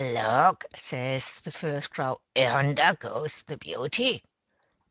" Look,'* says the first crow, " yonder goes the beauty."